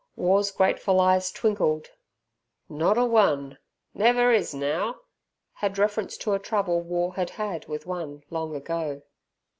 War's grateful eyes twinkled, "Not a one." "Never is neow!" had reference to a trouble War had had with one long ago.